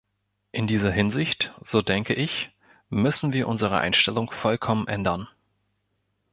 In dieser Hinsicht, so denke ich, müssen wir unsere Einstellung vollkommen ändern.